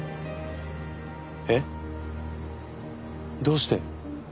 えっどうして？